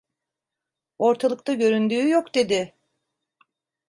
Ortalıkta göründüğü yok! dedi.